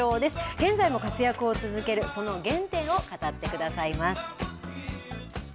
現在も活躍を続けるその原点を語ってくださいます。